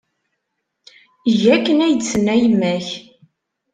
Eg akken ay d-tenna yemma-k.